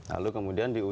lalu kemudian di ujung